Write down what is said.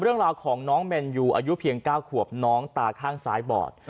เรื่องราวของน้องแมนยูอายุเพียง๙ขวบน้องตาข้างซ้ายบอด